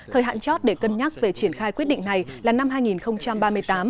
thời hạn chót để cân nhắc về triển khai quyết định này là năm hai nghìn ba mươi tám